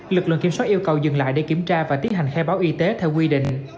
lực lượng kiểm soát yêu cầu dừng lại để kiểm tra và tiến hành khai báo y tế theo quy định